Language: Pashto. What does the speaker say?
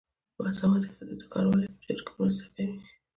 باسواده ښځې د ښاروالۍ په چارو کې مرسته کوي.